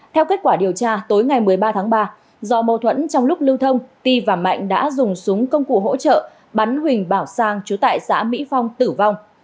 theo kết quả điều tra tối ngày một mươi ba tháng ba do mâu thuẫn trong lúc lưu thông ti và mạnh đã dùng súng công cụ hỗ trợ bắn huỳnh bảo sang chú tại xã mỹ phong tử vong